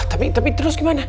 tapi terus gimana